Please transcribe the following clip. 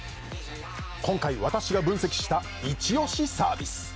今回私が分析したイチオシサービス。